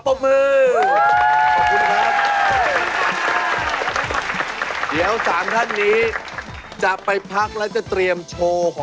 นี่คืออยากจะอัดเข้าไปให้เยอะที่สุด